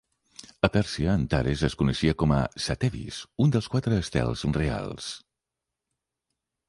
A Pèrsia, Antares es coneixia com a "Satevis", un dels quatre "estels reals".